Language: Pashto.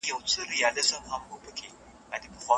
یوازې خدای د زړونو حال پوهیږي.